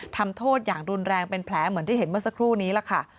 ทำโทษอย่างรุนแรงเป็นแผลเหมือนที่เห็นเมื่อสักครู่นี้ล่ะค่ะ